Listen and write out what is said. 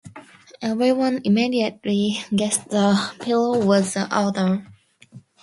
Everyone immediately guessed that Pillow was the author.